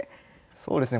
そうですね